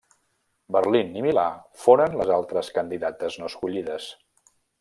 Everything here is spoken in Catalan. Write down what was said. Berlín i Milà foren les altres candidates no escollides.